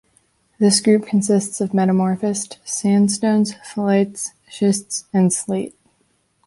This group consists of metamorphosed sandstones, phyllites, schists, and slate.